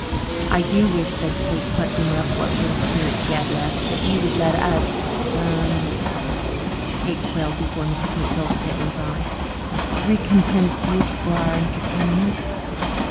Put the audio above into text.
"I do wish," said Kate, plucking up what little spirit she had left, "that you would let us ah uh" Kate quailed before Mrs. Matilda Pitman's eye "recompense you for our entertainment."